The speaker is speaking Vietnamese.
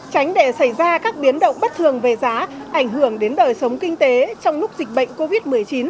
tránh để xảy ra các biến động bất thường về giá ảnh hưởng đến đời sống kinh tế trong lúc dịch bệnh covid một mươi chín